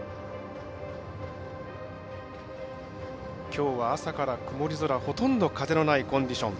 きょうは朝から曇り空ほとんど風のないコンディション。